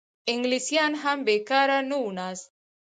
انګلیسیان هم بېکاره نه وو ناست.